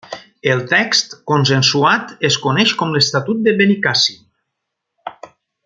El text consensuat es coneix com l'Estatut de Benicàssim.